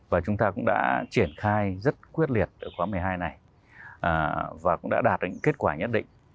và chúng ta cũng đã triển khai rất quyết liệt ở khóa một mươi hai này và cũng đã đạt được những kết quả nhất định